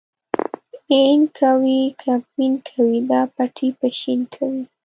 اين کوې که بېن کوې دا پټی به شين کوې.